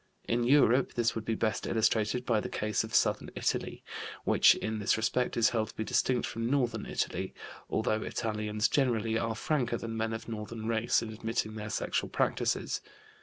In Europe this would be best illustrated by the case of southern Italy, which in this respect is held to be distinct from northern Italy, although Italians generally are franker than men of northern race in admitting their sexual practices.